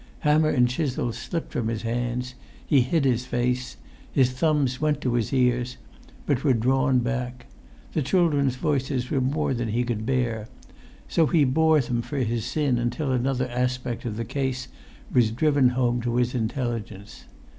Hammer and chisel slipped from his hands; he hid his face. His thumbs went to his ears, but were drawn back. The children's voices were more than he could bear, so he bore them for his sin until another aspect of the case was driven home to his intelligence.